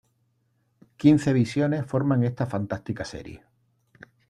Quince visiones forman esta fantástica serie.